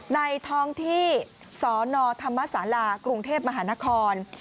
ในท้องที่สนธรรมศาลากรุงเทพมหานคร